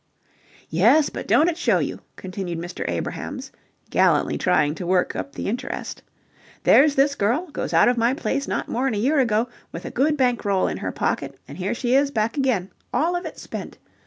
"Yes, but don't it show you?" continued Mr. Abrahams, gallantly trying to work up the interest. "There's this girl, goes out of my place not more'n a year ago, with a good bank roll in her pocket, and here she is, back again, all of it spent.